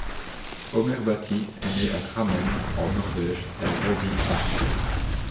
Omer Bhatti est né à Drammen, en Norvège, et a grandi à .